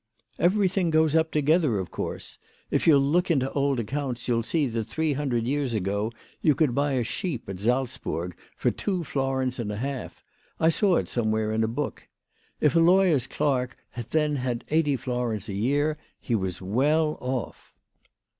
" Everything goes up together, of course. If you'll look into old accounts you'll see that three hundred years ago you could buy a sheep at Salzburg for two florins and a half. I saw, it somewhere in a book. If a lawyer's clerk then had eighty florins a year he was well off.